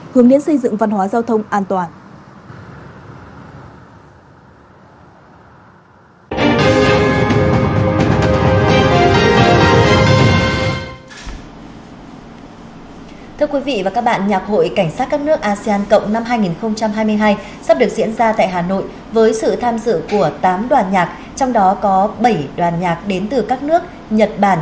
hướng đến xây dựng văn hóa giao thông an toàn